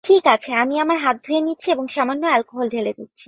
ঠিক আছে, আমি আমার হাত ধুয়ে নিচ্ছি এবং সামান্য অ্যালকোহল ঢেলে দিচ্ছি।